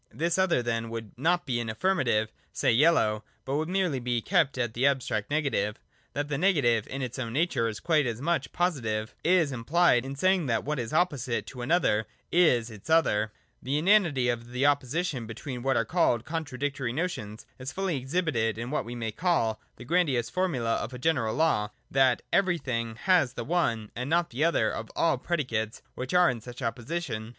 This other then would not be an affirmative, say, yellow, but would merely be kept at the abstract negative. — That the Negative in its own nature is quite as much Positive (see next §), is implied in saying that what is opposite to another is its other. The inanity of the opposition between what are called contradictory notions is fully exhibited in what we may call the grandiose formula of a general law, that Everything has the one and not the other of all predi cates which are in such opposition.